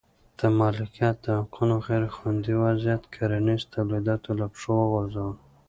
د مالکیت د حقونو غیر خوندي وضعیت کرنیز تولیدات له پښو وغورځول.